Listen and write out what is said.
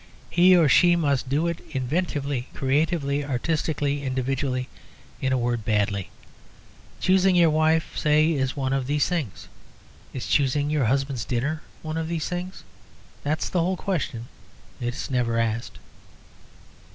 He or she must do it inventively, creatively, artistically, individually in a word, badly. Choosing your wife (say) is one of these things. Is choosing your husband's dinner one of these things? That is the whole question: it is never asked.